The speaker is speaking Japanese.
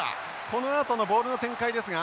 このあとのボールの展開ですが。